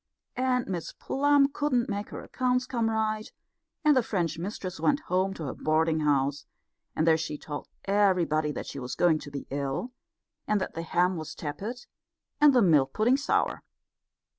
And Miss Plum couldn't make her accounts come right; and the French mistress went home to her boarding house; and there she told everybody that she was going to be ill, and that the ham was tepid and the milk pudding sour.